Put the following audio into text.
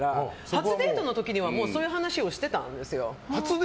初デートの時には、もうそういう話をしていたんですよ。